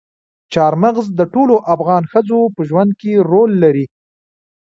چار مغز د ټولو افغان ښځو په ژوند کې رول لري.